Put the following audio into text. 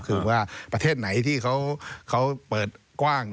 คือว่าประเทศไหนที่เขาเปิดกว้าง